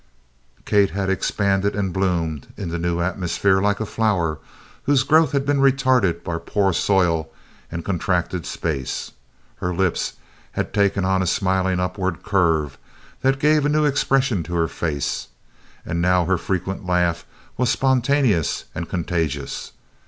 Kate had expanded and bloomed in the new atmosphere like a flower whose growth has been retarded by poor soil and contracted space. Her lips had taken on a smiling upward curve that gave a new expression to her face, and now her frequent laugh was spontaneous and contagious.